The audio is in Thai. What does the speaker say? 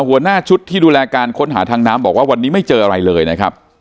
หัวหน้าชุดที่ดูแลการค้นหาทางน้ำบอกว่าวันนี้ไม่เจออะไรเลยนะครับ